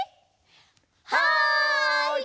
はい！